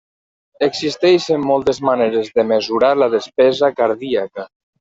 Existeixen moltes maneres de mesurar la despesa cardíaca.